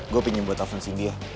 gue pinjem buat oven si dia